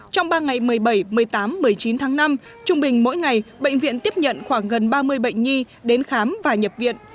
trong ba ngày một mươi bảy một mươi tám một mươi chín tháng năm trung bình mỗi ngày bệnh viện tiếp nhận khoảng gần ba mươi bệnh nhi đến khám và nhập viện